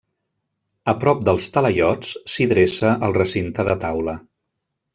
A prop dels talaiots, s'hi dreça el recinte de taula.